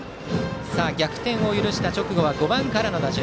逆転を許した直後は５番からの打順。